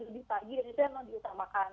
lebih pagi dan itu yang memang diutamakan